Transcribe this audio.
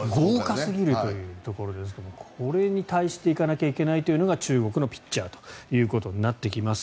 豪華すぎるというところですがこれに対していかなきゃいけないのが中国のピッチャーとなってきます。